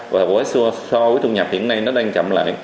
và với số thu nhập hiện nay nó đang chậm lại